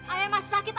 ayah masih sakit ya be